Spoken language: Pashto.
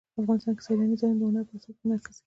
افغانستان کې سیلانی ځایونه د هنر په اثار کې منعکس کېږي.